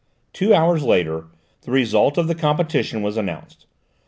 Two hours later the result of the competition was announced.